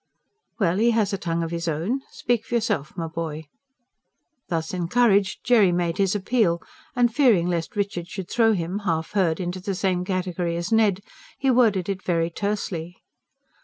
"Well, he has a tongue of his own. Speak for yourself, my boy!" Thus encouraged, Jerry made his appeal; and fearing lest Richard should throw him, half heard, into the same category as Ned, he worded it very tersely.